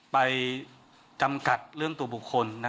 ไปจำกัดเรื่องตัวบุคคล